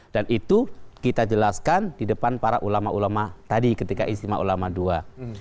dan itu kita jelaskan di depan para ulama ulama tadi ketika istimewa ulama dua